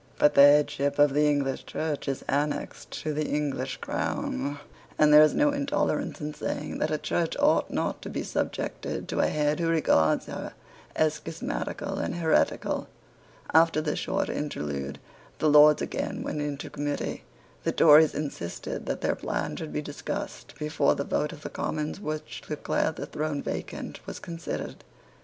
But the headship of the English Church is annexed to the English crown; and there is no intolerance in saying that a Church ought not to be subjected to a head who regards her as schismatical and heretical. After this short interlude the Lords again went into committee. The Tories insisted that their plan should be discussed before the vote of the Commons which declared the throne vacant was considered.